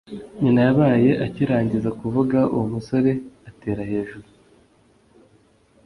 nyina yabaye akirangiza kuvuga, uwo musore atera hejuru